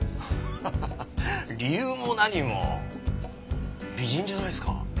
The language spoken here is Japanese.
アハハハ理由も何も美人じゃないですか。